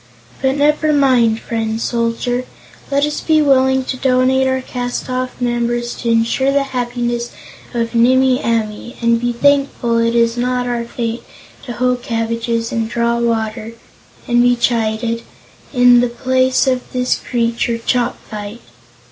"But never mind, friend Soldier; let us be willing to donate our cast off members to insure the happiness of Nimmie Amee, and be thankful it is not our fate to hoe cabbages and draw water and be chided in the place of this creature Chopfyt."